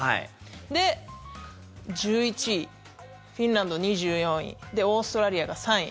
で、１１位フィンランド、２４位で、オーストラリアが３位。